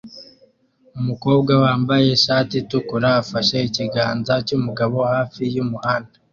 umukobwa wambaye ishati itukura afashe ikiganza cyumugabo hafi yumuhanda